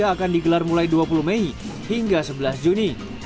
akan digelar mulai dua puluh mei hingga sebelas juni